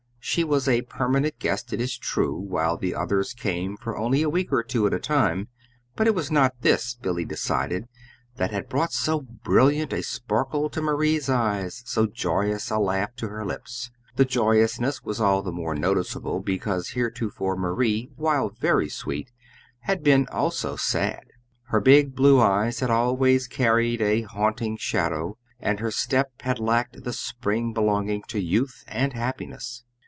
She was a permanent guest, it is true, while the others came for only a week or two at a time; but it was not this, Billy decided, that had brought so brilliant a sparkle to Marie's eyes, so joyous a laugh to her lips. The joyousness was all the more noticeable, because heretofore Marie, while very sweet, had been also sad. Her big blue eyes had always carried a haunting shadow, and her step had lacked the spring belonging to youth and happiness.